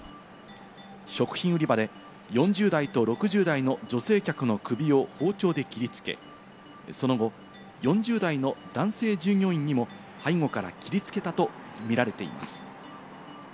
食品売り場で４０代と６０代の女性客の首を包丁で切りつけ、その後、４０代の男性従業員にも背後から切りつけたとみられています。